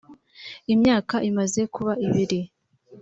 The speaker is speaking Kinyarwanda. imyaka imaze kuba ibiri